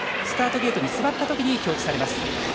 スタートゲートに座ったときに表示されます。